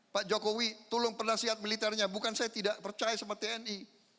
pak jokowi tolong penasihat militernya bukan saya tidak percaya sama tni